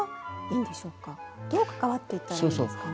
どう関わっていったらいいですかね。